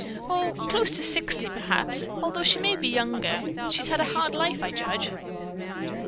"Oh, close to sixty, perhaps, although she may be younger. She's had a hard life, I judge."